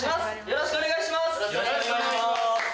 よろしくお願いします。